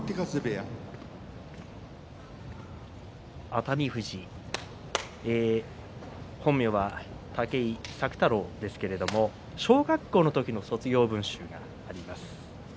熱海富士本名は武井朔太郎ですが小学校の時の卒業文集があります。